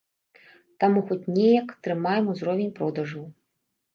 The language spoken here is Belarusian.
Таму хоць неяк трымаем узровень продажаў.